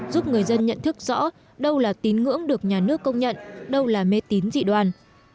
giúp người dân nhận thức rõ đâu là tín ngưỡng được nhà nước công nhận đâu là mê tín dị đoàn